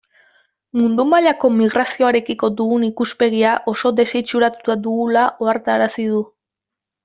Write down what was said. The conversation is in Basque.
Mundu mailako migrazioarekiko dugun ikuspegia oso desitxuratuta dugula ohartarazi du.